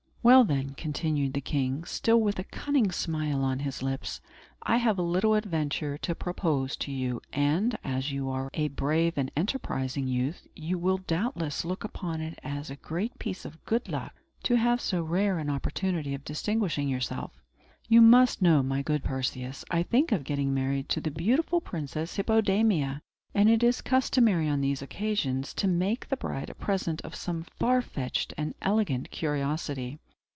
"Well, then," continued the king, still with a cunning smile on his lips, "I have a little adventure to propose to you; and, as you are a brave and enterprising youth, you will doubtless look upon it as a great piece of good luck to have so rare an opportunity of distinguishing yourself. You must know, my good Perseus, I think of getting married to the beautiful Princess Hippodamia; and it is customary, on these occasions, to make the bride a present of some far fetched and elegant curiosity.